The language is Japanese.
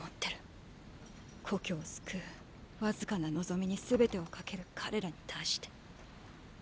故郷を救うわずかな望みにすべてを懸ける彼らに対して。